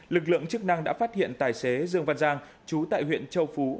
lực lượng chức năng đã phát hiện tài xế dương văn giang chú tại huyện châu phú